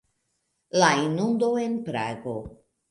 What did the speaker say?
La inundo en Prago.